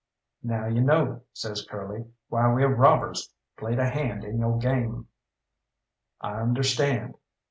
"Now you know," says Curly, "why we robbers played a hand in yo' game." "I understand.